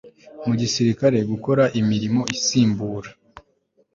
mu gisirikare gukora imirimo isimbura